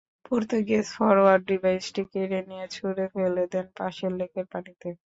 Portuguese forward ডিভাইসটি কেড়ে নিয়ে ছুড়ে ফেলে দেন পাশের লেকের পানিতে।